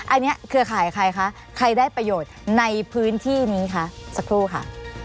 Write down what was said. อันนี้เครือข่ายใครคะใครได้ประโยชน์ในพื้นที่นี้คะสักครู่ค่ะ